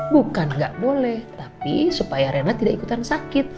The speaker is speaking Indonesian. bukan gak boleh tapi supaya reyna tidak ikutan sakit